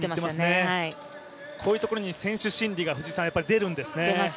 こういうところに選手心理が出るんですね。